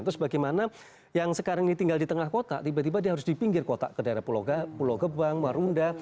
terus bagaimana yang sekarang ini tinggal di tengah kota tiba tiba dia harus di pinggir kota ke daerah pulau gebang marunda